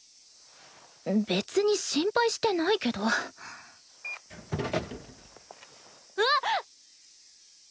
別に心配してないけどうわっ！